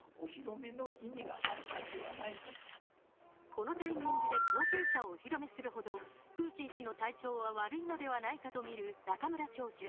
このタイミングで後継者をお披露目するほどプーチン氏の体調は悪いのではないかと見る中村教授。